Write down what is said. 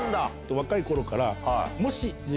若い頃から。